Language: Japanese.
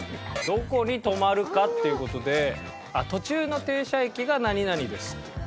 どこに止まるかっていう事で途中の停車駅が何々ですっていう。